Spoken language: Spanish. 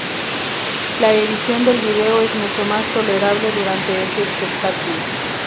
La edición del vídeo es mucho más tolerable durante ese espectáculo.